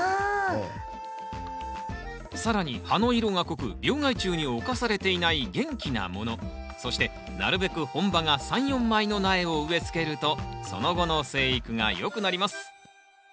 更に葉の色が濃く病害虫に侵されていない元気なものそしてなるべく本葉が３４枚の苗を植えつけるとその後の生育がよくなります。